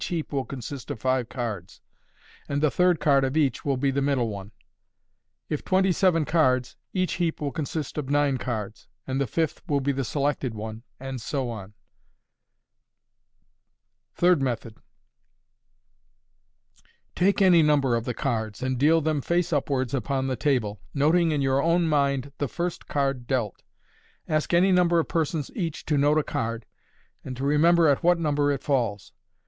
heap will consist of five cards, and the third card of each will be the middle one ; if twenty seven cards, each heap will consist of nine cards, and the fifth will be the selected one, and so on. Third Method. — Take any number of the cards, and deal them face upwards upon the table, noting in your own mind the first card dealt. Ask any number of persons each to note a card, and to remember at what number it falls.